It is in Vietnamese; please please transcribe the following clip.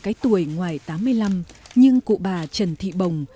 cái tuổi ngoài tám mươi năm nhưng cụ bà trần thị bồng